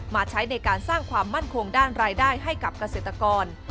ใช้ในการสร้างความมั่นคงด้านรายได้ให้กับเกษตรกร